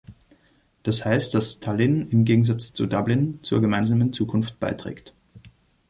Das heißt, dass Tallin, im Gegensatz zu Dublin, zur gemeinsamen Zukunft beiträgt.